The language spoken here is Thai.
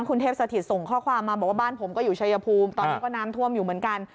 คุณเทพสถิตส่งข้อความมาบอกว่าบ้านผมก็อยู่ชายภูมิตอนนี้ก็น้ำท่วมอยู่เหมือนกัน